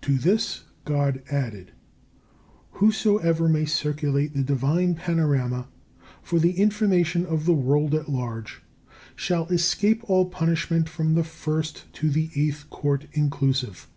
To this God added, "Whosoever may circulate the Divine Panorama for the information of the world at large shall escape all punishment from the First to the Eighth Court inclusive.